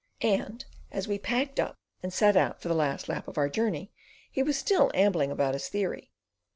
And, as we packed up and set out for the last lap of our journey he was still ambling about his theory.